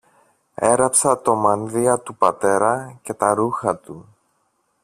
Έραψα το μανδύα του πατέρα και τα ρούχα του